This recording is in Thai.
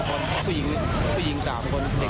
๔คนต้องไปยิง๓คน